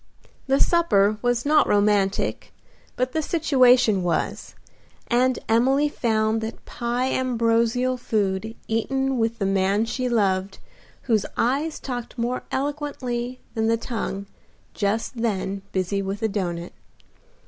The supper was not romantic, but the situation was, and Emily found that pie ambrosial food eaten with the man she loved, whose eyes talked more eloquently than the tongue just then busy with a doughnut.